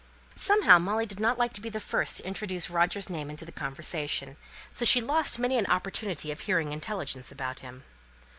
Somehow, Molly did not like to be the first to introduce Roger's name into the conversation, so she lost many an opportunity of hearing intelligence about him.